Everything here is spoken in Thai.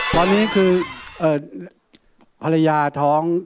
ตอนนี้คือภรรยาท้อง